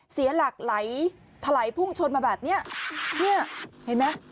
เสียหลักไหลทะไหลภูมิชนมาแบบเนี่ยเนี่ยเห็นไหม